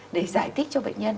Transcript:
để giải thích cho bệnh nhân